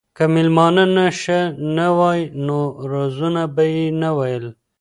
که مېلمانه نشه نه وای نو رازونه به یې نه ویل.